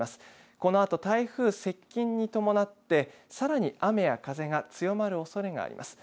このあと、台風接近に伴ってさらに雨や風が強まるおそれがあります。